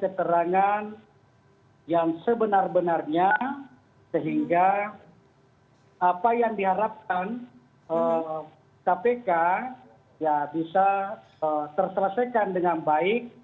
keterangan yang sebenar benarnya sehingga apa yang diharapkan kpk bisa terselesaikan dengan baik